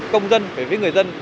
công dân với người dân